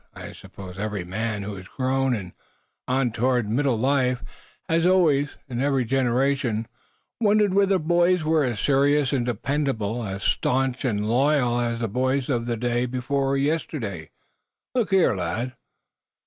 I suppose every man who is grown and on toward middle life has always, in every generation, wondered whether boys were as serious and dependable, as staunch and loyal as the boys of the day before yesterday. Look here, lad!"